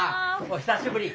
お久しぶり！